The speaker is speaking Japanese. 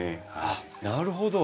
あっなるほど。